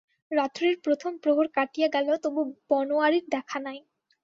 রাত্রির প্রথম প্রহর কাটিয়া গেল তবু বনোয়ারির দেখা নাই।